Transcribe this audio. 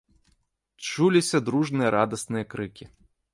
Чуліся дружныя радасныя крыкі.